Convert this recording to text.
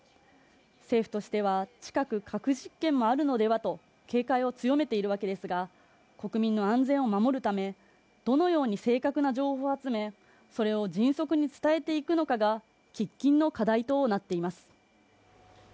政府としては近く、核実験もあるのではと警戒を強めているわけですが、国民の安全を守るため、どのように正確な情報を集めそれを迅速に伝えていくのかが喫緊の課題となっています。